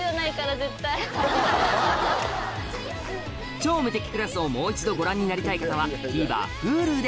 『超無敵クラス』をもう一度ご覧になりたい方はＴＶｅｒＨｕｌｕで